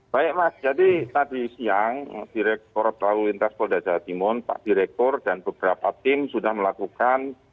baik mas jadi tadi siang direkturat lalu lintas polda jawa timur pak direktur dan beberapa tim sudah melakukan